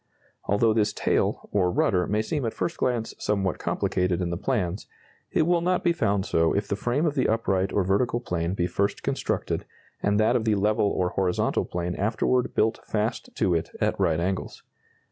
Although this tail, or rudder, may seem at first glance somewhat complicated in the plans, it will not be found so if the frame of the upright or vertical plane be first constructed, and that of the level or horizontal plane afterward built fast to it at right angles.